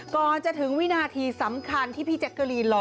ก่อนจะถึงวินาทีสำคัญที่พี่แจ๊กเกอรีนรอ